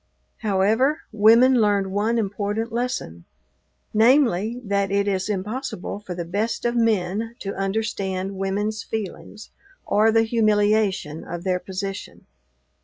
However, women learned one important lesson namely, that it is impossible for the best of men to understand women's feelings or the humiliation of their position.